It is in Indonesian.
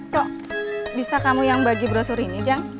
kok bisa kamu yang bagi brosur ini jang